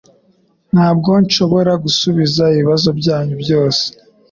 Ntabwo nshobora gusubiza ibibazo byanyu byose.